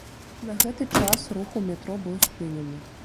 На гэты час рух у метро быў спынены.